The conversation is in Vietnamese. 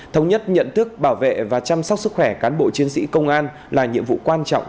thống nhất nhận thức bảo vệ và chăm sóc sức khỏe cán bộ chiến sĩ công an là nhiệm vụ quan trọng